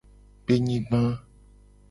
Kpenyigba.